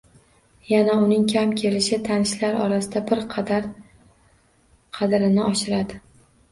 Yana uning kam kelishi tanishlar orasida bir qadar qadrini oshiradi